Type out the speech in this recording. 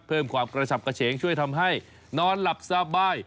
เพิ่มความกระฉับกระเฉงช่วยทำให้นอนหลับสบาย